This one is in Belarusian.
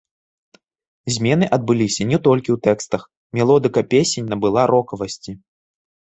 Змены адбыліся не толькі ў тэкстах, мелодыка песень набыла рокавасці.